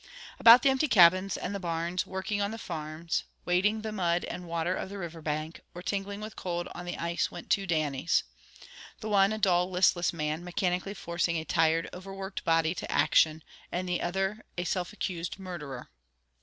About the empty cabins and the barns, working on the farms, wading the mud and water of the river bank, or tingling with cold on the ice went two Dannies. The one a dull, listless man, mechanically forcing a tired, overworked body to action, and the other a self accused murderer.